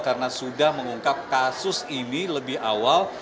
karena sudah mengungkap kasus ini lebih awal